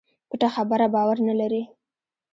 پټه خبره باور نه لري.